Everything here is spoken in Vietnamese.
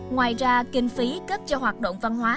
ngoài ra kinh phí cấp cho hoạt động văn hóa